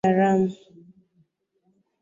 Lugha yake hasa ni Kiaramu.